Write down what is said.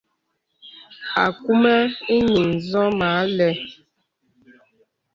Akūm ìyìŋ ǹsɔ̀ mə àlɛ̂.